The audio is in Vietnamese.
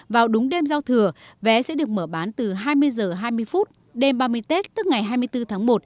vào đúng đêm giao thừa vé sẽ được mở bán từ hai mươi h hai mươi phút đêm ba mươi tết tức ngày hai mươi bốn tháng một